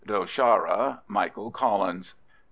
Do Chara, MICHAEL COLLINS.